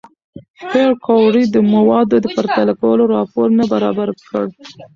پېیر کوري د موادو د پرتله کولو راپور نه برابر کړ؟